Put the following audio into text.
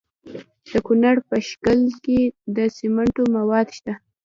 د کونړ په شیګل کې د سمنټو مواد شته.